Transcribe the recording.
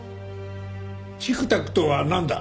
チクタクとはなんだ？